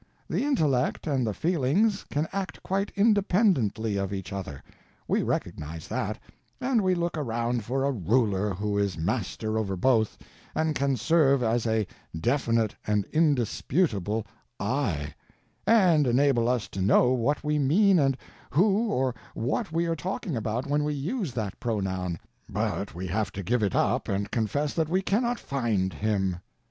The intellect and the feelings can act quite _independently _of each other; we recognize that, and we look around for a Ruler who is master over both, and can serve as a _definite and indisputable "I," _and enable us to know what we mean and who or what we are talking about when we use that pronoun, but we have to give it up and confess that we cannot find him.